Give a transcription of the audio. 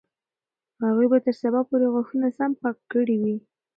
هغوی به تر سبا پورې غاښونه سم پاک کړي وي.